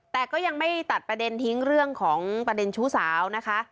แต่ก็ยังไม่ตัดประเด็นทิ้งเรื่องของประเด็นชู้สาวนะคะ